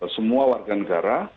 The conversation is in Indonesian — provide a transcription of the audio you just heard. semua warga negara